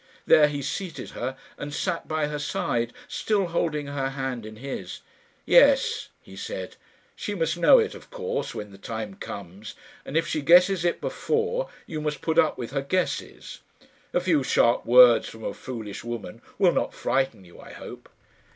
There he seated her, and sat by her side, still holding her hand in his. "Yes," he said, "she must know it of course when the time comes; and if she guesses it before, you must put up with her guesses. A few sharp words from a foolish woman will not frighten you, I hope."